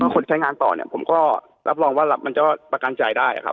คนใช้งานต่อเนี่ยผมก็รับรองว่ามันจะประกันใจได้ครับ